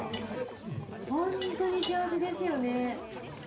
本当に幸せですよね。